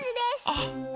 あっ。